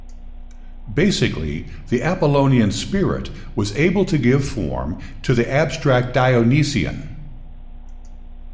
Basically, the Apollonian spirit was able to give form to the abstract Dionysian.